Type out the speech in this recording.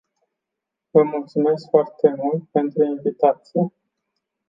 Vă mulțumesc foarte mult pentru invitație.